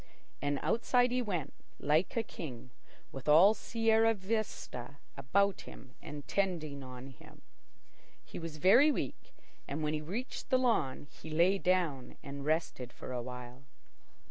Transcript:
And outside he went, like a king, with all Sierra Vista about him and tending on him. He was very weak, and when he reached the lawn he lay down and rested for a while.